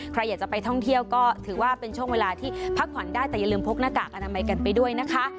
ใครอยากจะไปท่องเที่ยวก็ถือว่าเป็นช่วงเวลาที่พักผ่อนได้แต่อย่าลืมพกหน้ากากอนามัยกันไปด้วยนะคะ